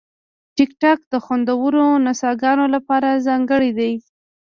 ټیکټاک د خوندورو نڅاګانو لپاره ځانګړی دی.